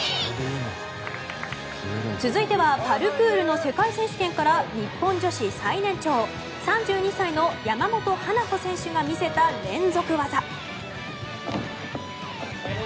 続いてはパルクールの世界選手権から日本女子最年長３２歳の山本華歩選手が見せた連続技。